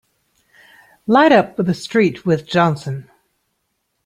Light up with the street with Johnson!